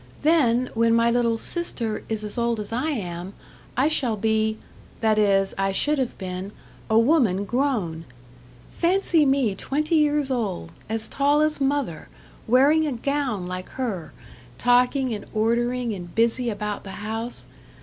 Then, when my little sister is as old as I am, I shall be that is, I should have been a woman grown. Fancy me twenty years old, as tall as mother, wearing a gown like her, talking and ordering, and busy about the house.